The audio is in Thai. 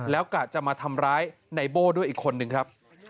แล้วกะจะมาทำร้ายในโบ้ด้วยอีกคนนึงครับ